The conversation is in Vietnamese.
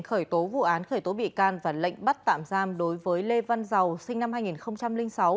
khởi tố vụ án khởi tố bị can và lệnh bắt tạm giam đối với lê văn giàu sinh năm hai nghìn sáu